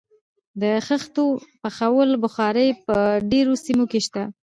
د خښتو پخولو بخارۍ په ډیرو سیمو کې شته.